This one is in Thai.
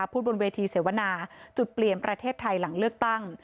บนเวทีเสวนาจุดเปลี่ยนประเทศไทยหลังเลือกตั้ง